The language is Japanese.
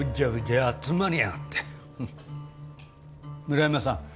村山さん